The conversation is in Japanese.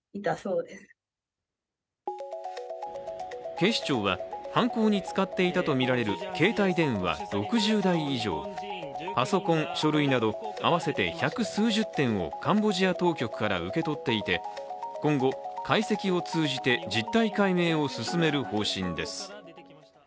警視庁は犯行に使っていたとみられる携帯電話６０台以上、パソコン、書類など合わせて百数十点をカンボジア当局から受け取っていて今後解析を通じて実態解明を進める方針です。